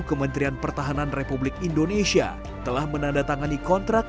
kementerian pertahanan republik indonesia telah menandatangani kontrak